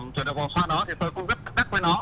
chủ đề hồ xuân đó thì tôi cũng rất tận tác với nó